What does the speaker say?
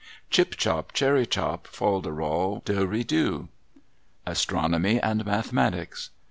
Chip chop, cherry chop, fol de rol de ri do. Astronomy and mathematics.